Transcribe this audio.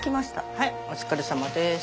はいお疲れさまです。